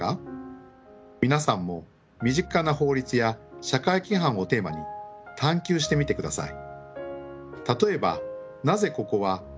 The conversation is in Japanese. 皆さんも身近な法律や社会規範をテーマに探究してみてください。